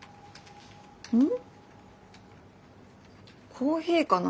コーヒーかな？